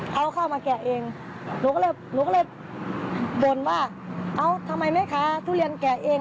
เอาข้าวมาแกะเองหนูก็เลยหนูก็เลยบ่นว่าเอ้าทำไมแม่ค้าทุเรียนแกะเอง